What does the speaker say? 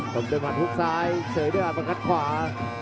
ต้มเต้นมันทุกซ้ายเสยด้วยอันบังคัดขวา